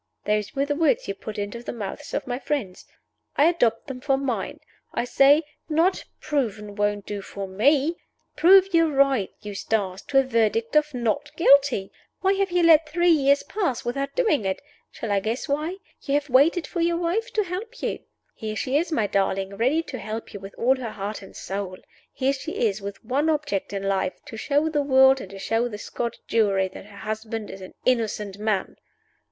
Those were the words you put into the mouths of my friends. I adopt them for mine! I say Not Proven won't do for me. Prove your right, Eustace, to a verdict of Not Guilty. Why have you let three years pass without doing it? Shall I guess why? You have waited for your wife to help you. Here she is, my darling, ready to help you with all her heart and soul. Here she is, with one object in life to show the world and to show the Scotch Jury that her husband is an innocent man!"